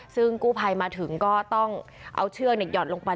ซึ่งกู้ภัยมาถึงก็ต้องเอาเชือกหยอดลงไป